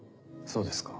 そうですか。